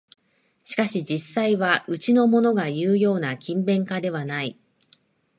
しかし実際はうちのものがいうような勤勉家ではない